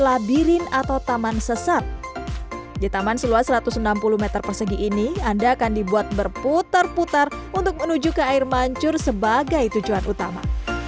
air mancur sebagai tujuan utama